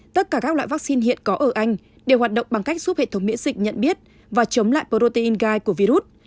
tất cả các loại vaccine hiện có ở anh đều hoạt động bằng cách giúp hệ thống miễn dịch nhận biết và chống lại protein gai của virus